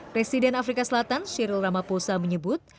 presiden afrika selatan syirul ramaphosa menyebut